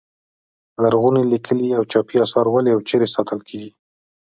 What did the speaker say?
لرغوني لیکلي او چاپي اثار ولې او چیرې ساتل کیږي.